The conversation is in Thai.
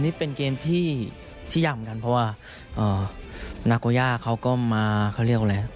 นี่เป็นเกมที่ยากเหมือนกันเพราะว่านาโกย่าเขาก็มาเขาเรียกอะไร